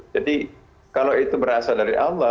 jadi kalau itu berasal dari allah